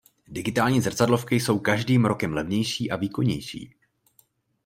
Digitální zrcadlovky jsou každým rokem levnější a výkonnější.